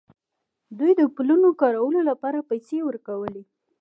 دوی د پلونو کارولو لپاره پیسې ورکولې.